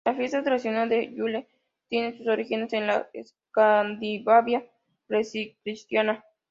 La fiesta tradicional de Yule tiene sus orígenes en la Escandinavia precristiana.